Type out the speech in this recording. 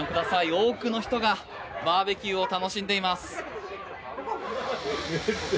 多くの人がバーベキューを楽しんでいます。